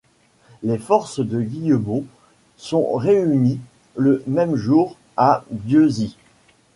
Les forces de Guillemot sont réunies le même jour à Bieuzy.